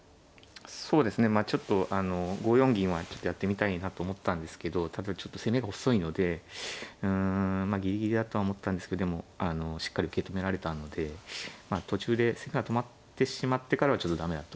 そうですねまあちょっとあの５四銀はちょっとやってみたいなと思ったんですけどただちょっと攻めが細いのでうんギリギリだとは思ったんですけどでもしっかり受け止められたので途中で攻めが止まってしまってからはちょっと駄目だと思いますね。